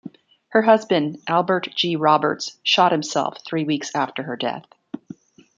Her husband, Albert G. Roberts, shot himself three weeks after her death.